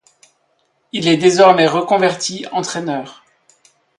Il est désormais reconvertit entraîneur.